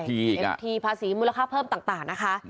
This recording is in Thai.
อีกภาษีธรรมพระสีมูลค่าเพิ่มต่างนะคะ